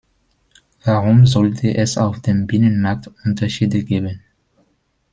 Warum sollte es auf dem Binnenmarkt Unterschiede geben?